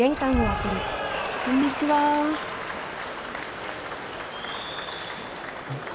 こんにちは。えっ？